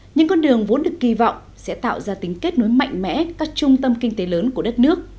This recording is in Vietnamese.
những con đường vốn được kỳ vọng sẽ tạo ra tính kết nối mạnh mẽ các trung tâm kinh tế lớn của đất nước